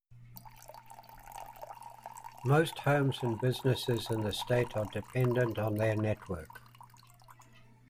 Most homes and businesses in the state are dependent on their network.